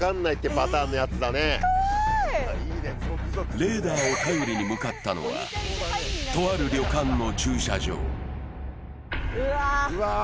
レーダーを頼りに向かったのは、とある旅館の駐車場。